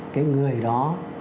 cái người đó